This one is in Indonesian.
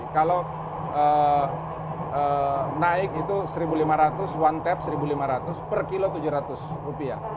kalau naik itu rp satu lima ratus per kilo rp tujuh ratus